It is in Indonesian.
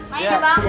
main aja bang